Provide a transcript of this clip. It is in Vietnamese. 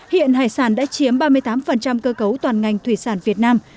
hiện hải sản đã chiếm ba mươi tám cơ cấu toàn ngành thủy sản việt nam